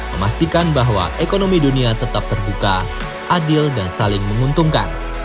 memastikan bahwa ekonomi dunia tetap terbuka adil dan saling menguntungkan